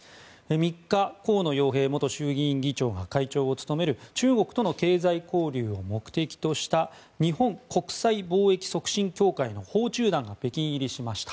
３日、河野洋平元衆議院議長が会長を務める中国との経済交流を目的とした日本国際貿易促進協会の訪中団が北京入りしました。